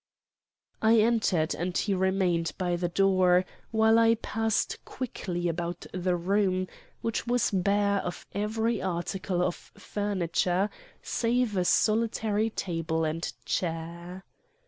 "I entered and he remained by the door, while I passed quickly about the room, which was bare of every article of furniture save a solitary table and chair.